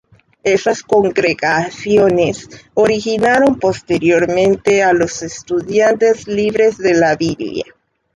Esas congregaciones originaron posteriormente a Los Estudiantes libres de la Biblia.